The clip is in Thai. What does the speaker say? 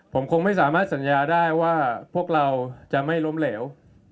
ผมคงไม่สามารถสัญญาได้ว่าพวกเราจะไม่ล้มเหลว